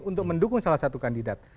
untuk mendukung salah satu kandidat